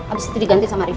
abis itu diganti sama rifah